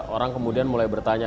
orang kemudian mulai bertanya